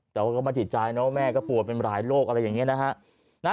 แต่ก็มาถิดใจนะว่าแม่ก็ปวดเป็นหลายโรคอะไรอย่างนี้นะฮะ